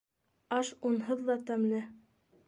Аш унһыҙ ҙа тәмле!